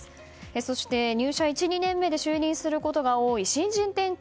そして入社１２年目で就任することが多い新人店長